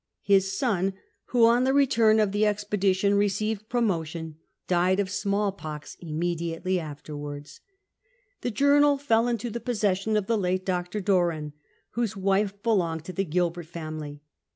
His son, who on the return of tlie expedition received promotion, died of smallpox immediately afterwards. The journal fell into the possession of the late Dr. Doran, whose wife belonged to the Gilbert family.